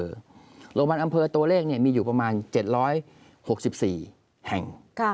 โรงพยาบาลอำเภอตัวเลขมีอยู่ประมาณ๗๖๔แห่ง